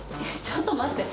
ちょっと待って。